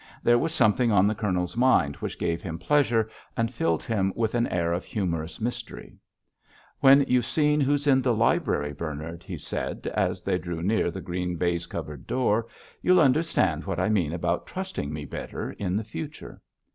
There was something on the Colonel's mind which gave him pleasure, and filled him with an air of humorous mystery. "When you've seen who's in the library, Bernard," he said, as they drew near the green baize covered door, "you'll understand what I mean about trusting me better in the future."